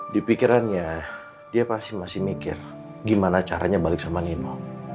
di pikirannya dia pasti masih mikir gimana caranya balik sama nino